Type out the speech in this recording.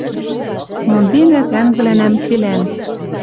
Монденӓ тӓнгвлӓнӓм цилӓн.